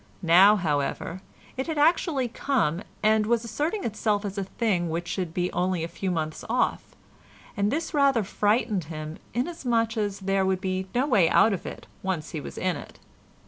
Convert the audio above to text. Now, however, it had actually come and was asserting itself as a thing which should be only a few months off, and this rather frightened him inasmuch as there would be no way out of it when he was once in it.